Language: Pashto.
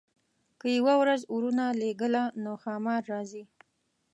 که یې یوه ورځ ورونه لېږله نو ښامار راځي.